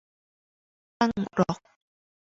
ตั้งล็อก